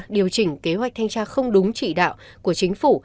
điều chỉnh kế hoạch thanh tra không đúng chỉ đạo của chính phủ